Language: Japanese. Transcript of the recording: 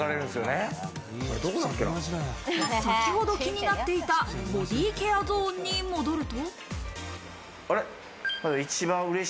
先ほど気になっていたボディーケアゾーンに戻ると。